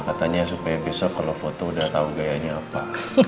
katanya supaya besok kalau foto udah tau gayanya apa